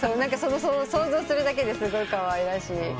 想像するだけですごいかわいらしい。